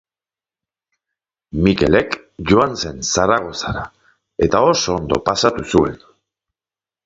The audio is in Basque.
Mikelek joan zen Zaragozara eta oso ondo pasatu zuen